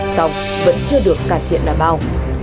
sọc vẫn chưa được cải thiện đảm bảo